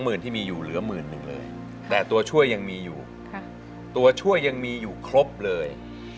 ที่มีอยู่เหลือหมื่นหนึ่งเลยแต่ตัวช่วยยังมีอยู่ตัวช่วยยังมีอยู่ครบเลย